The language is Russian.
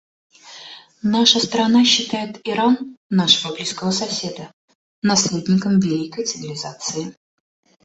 Наша страна считает Иран — нашего близкого соседа — наследником великой цивилизации.